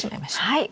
はい。